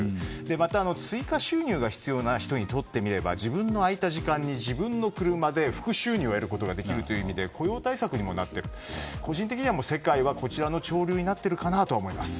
また、追加収入が必要な人にとってみれば自分の空いた時間に自分の車で副収入を得ることができるという意味で雇用対策にもなって個人的には世界はこちらの潮流になっていると思います。